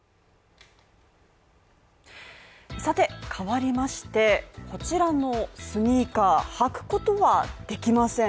さて、変わりまして、こちらのスニーカー履くことはできません